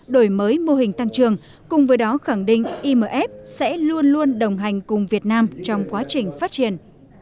đổi mới mô hình tăng trường cùng với đó khẳng định imf sẽ luôn luôn đồng hành cùng việt nam trong quá trình phát triển